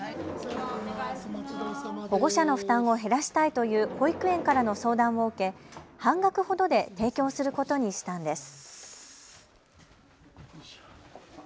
保護者の負担を減らしたいという保育園からの相談を受け半額ほどで提供することにしたんです。